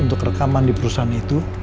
untuk rekaman di perusahaan itu